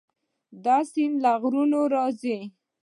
دا سیند له غرونو راځي.